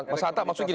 mas anta masuk gini